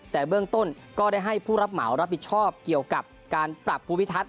แต่เบื้องต้นก็ได้ให้ผู้รับเหมารับผิดชอบเกี่ยวกับการปรับภูมิทัศน